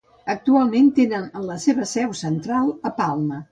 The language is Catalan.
Actualment tenen la seva seu central a Palma.